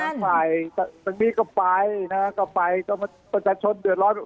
คร้่าย่อฝ่ายฝ่ายมาจากตรงนี้ก็ไปนะครับครับก็ไปถ้ามัน